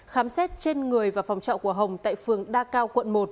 khám xét trên người và phòng trọ của hồng tại phường đa cao quận một